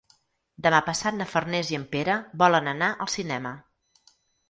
Demà passat na Farners i en Pere volen anar al cinema.